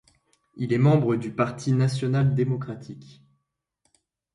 Il est membre du Parti national démocratique.